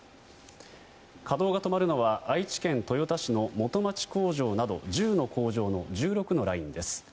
稼働が止まるのは愛知県豊田市の元町工場など１０の工場の１６のラインです。